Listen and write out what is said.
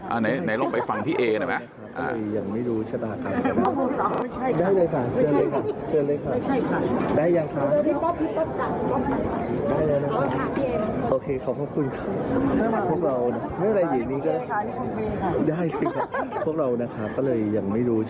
อ่ะไหนลองไปฟังพี่เอนะแม่